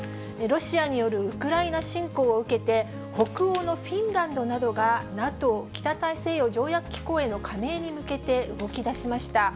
ロシアによるウクライナ侵攻を受けて、北欧のフィンランドなどが、ＮＡＴＯ・北大西洋条約機構への加盟に向けて動きだしました。